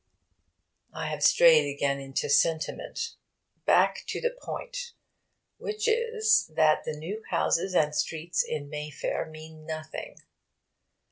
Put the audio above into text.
I have strayed again into sentiment. Back to the point which is that the new houses and streets in Mayfair mean nothing.